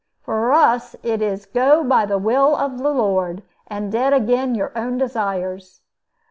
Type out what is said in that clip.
For us it is go by the will of the Lord, and dead agin your own desires."